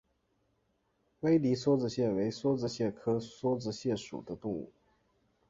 威迪梭子蟹为梭子蟹科梭子蟹属的动物。